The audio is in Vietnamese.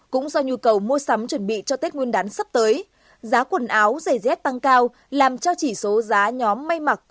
cũng do nhu cầu mua sắm chuẩn bị cho tết nguyên đán sắp tới giá quần áo giày dép tăng cao làm cho chỉ số giá nhóm may mặc